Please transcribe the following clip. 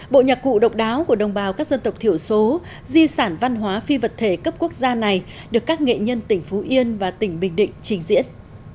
bộ nhạc cụ độc đáo của đồng bào các dân tộc thiểu số di sản văn hóa phi vật thể cấp quốc gia này được các nghệ nhân tỉnh phú yên và tỉnh bình định trình diễn